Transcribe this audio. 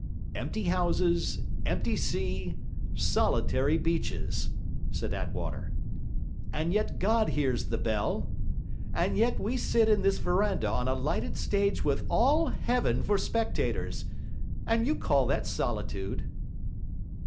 'Empty houses, empty sea, solitary beaches!' said Attwater. 'And yet God hears the bell! And yet we sit in this verandah on a lighted stage with all heaven for spectators! And you call that solitude?'